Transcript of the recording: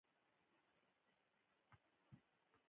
اداره یو ټولنیز سازمان دی چې اهدافو ته کار کوي.